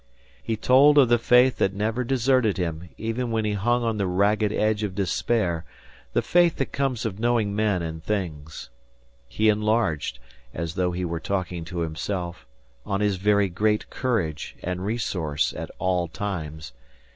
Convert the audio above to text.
He told of the faith that never deserted him even when he hung on the ragged edge of despair the faith that comes of knowing men and things. He enlarged, as though he were talking to himself, on his very great courage and resource at all times.